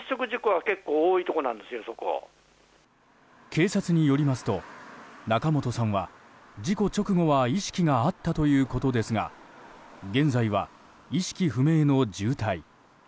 警察によりますと仲本さんは事故直後は意識があったということですが現在は、意識不明の重体。